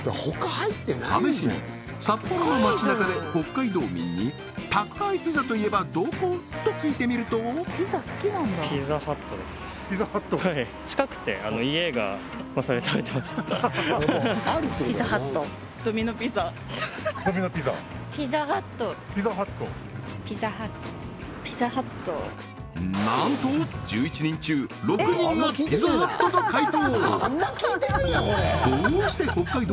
試しに札幌の街なかで北海道民に「宅配ピザといえばどこ？」と聞いてみるとなんと１１人中６人がピザハットと回答